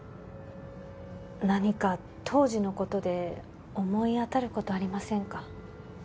何か当時のことで思い当たることありませんか？